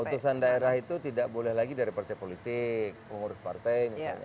keputusan daerah itu tidak boleh lagi dari partai politik pengurus partai misalnya